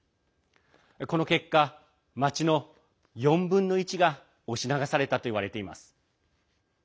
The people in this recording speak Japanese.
この結果、町の４分の１が押し流されたといわれています。